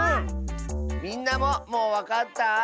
みんなももうわかった？